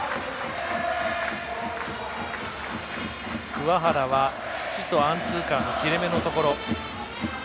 桑原は土とアンツーカーの切れ目のところ。